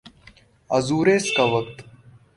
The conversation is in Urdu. ازوریس کا وقت